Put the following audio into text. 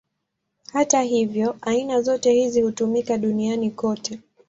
Hata hivyo, aina zote hizi hutumika duniani kote.